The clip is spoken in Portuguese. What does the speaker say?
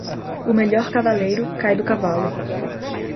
O melhor cavaleiro cai do cavalo.